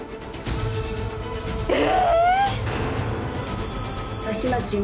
えっ？